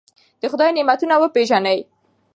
د خدای نعمتونه وپېژنئ.